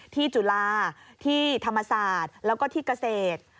จุฬาที่ธรรมศาสตร์แล้วก็ที่เกษตร